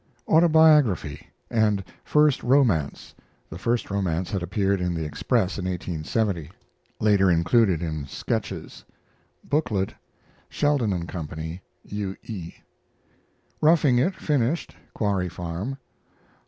AUTOBIOGRAPHY AND FIRST ROMANCE [THE FIRST ROMANCE had appeared in the Express in 1870. Later included in SKETCHES.] booklet (Sheldon & Co.). U. E. ROUGHING IT finished (Quarry Farm).